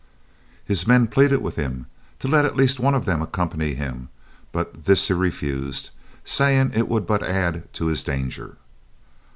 His men pleaded with him to let at least one of them accompany him, but this he refused, saying it would but add to his danger.